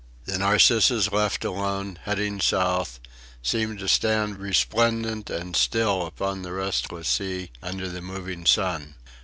The Narcissus left alone, heading south, seemed to stand resplendent and still upon the restless sea, under the moving sun.